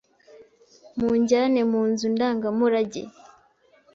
mujyane mu nzu ndangamurage